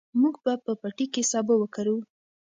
موږ به په پټي کې سابه وکرو.